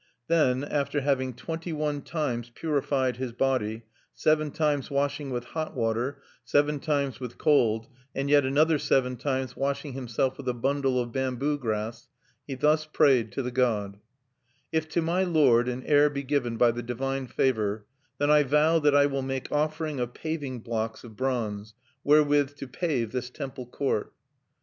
Then after having twenty one times purified his body, seven times washing with hot water, seven times with cold, and yet another seven times washing himself with a bundle of bamboo grass, he thus prayed to the god: "If to my lord an heir be given by the divine favor, then I vow that I will make offering of paving blocks of bronze wherewith to pave this temple court.